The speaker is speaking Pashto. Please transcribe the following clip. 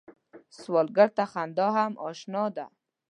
سوالګر ته خندا هم اشنا نه ده